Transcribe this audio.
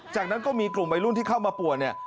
จากนั้นก็มีกลุ่มวัยรุ่นที่เข้ามาป่วนเนี่ย